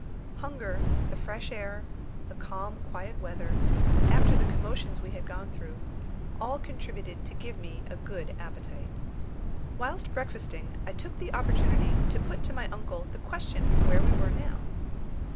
Hunger, the fresh air, the calm quiet weather, after the commotions we had gone through, all contributed to give me a good appetite. Whilst breakfasting I took the opportunity to put to my uncle the question where we were now.